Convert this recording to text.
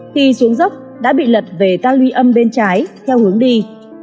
khi xuống dốc đã bị lật về ta luy âm bên trái theo hướng đi